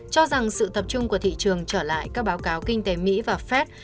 cho rằng sự tập trung của thị trường trở lại các báo cáo kinh tế mỹ và fed